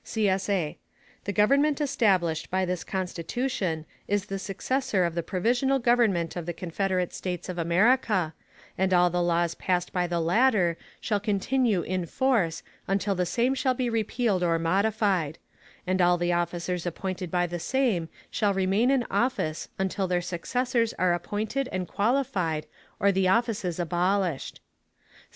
[CSA] _The Government established by this Constitution is the successor of the Provisional Government of the Confederate States of America, and all the laws passed by the latter shall continue in force until the same shall be repealed or modified; and all the officers appointed by the same shall remain in office until their successors are appointed and qualified, or the offices abolished.